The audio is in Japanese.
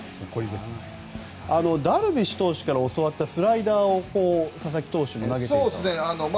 ダルビッシュ投手から教わったスライダーを佐々木投手も投げていたと。